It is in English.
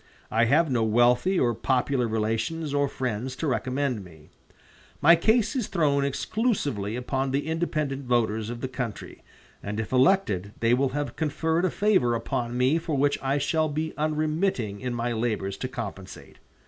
I have no wealthy or popular relations or friends to recommend me. My case is thrown exclusively upon the independent voters of the country, and if elected they will have conferred a favor upon me for which I shall be unremitting in my labors to compensate.